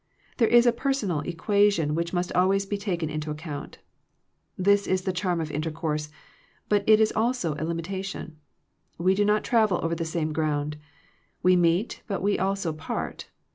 There is a personal equation which must always be taken into ac count. This is the charm of intercourse, but it is also a limitation. We do not travel over the same ground; we meet, but we also part.